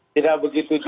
tidak begitu juga